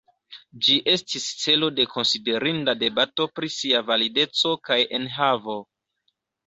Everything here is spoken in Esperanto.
Ĝi estis celo de konsiderinda debato pri sia valideco kaj enhavo.